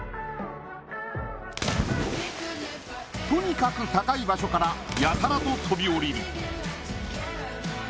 とにかく高い場所からやたらと飛び降りる。